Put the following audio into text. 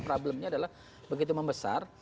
problemnya adalah begitu membesar